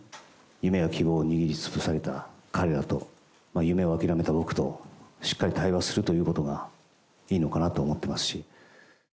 夢や希望に握りつぶされた彼らと、夢を諦めた僕と、しっかり対話するということがいいのかなと思ってますし。